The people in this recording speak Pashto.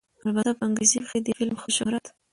البته په انګرېزۍ کښې دې فلم ښۀ شهرت